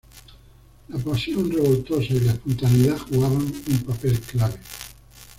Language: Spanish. La pasión revoltosa y la espontaneidad jugaban un papel clave.